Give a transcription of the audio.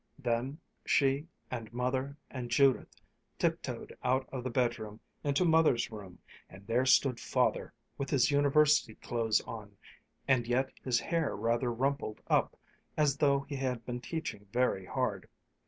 Then, she and Mother and Judith tiptoed out of the bedroom into Mother's room and there stood Father, with his University clothes on and yet his hair rather rumpled up, as though he had been teaching very hard.